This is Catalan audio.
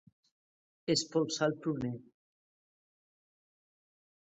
Espolsar el pruner.